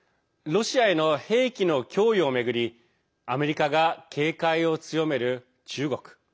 ロシアへの兵器の供与を巡りアメリカが警戒を強める中国。